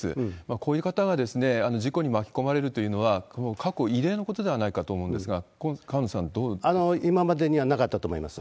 こういう方が事故に巻き込まれるというのは、過去異例のことではないかと思うんですが、これ、河野さん、今までにはなかったと思います。